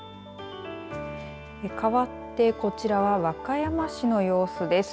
かわってこちらは和歌山市の様子です。